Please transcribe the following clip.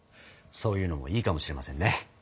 そういうのもいいかもしれませんね。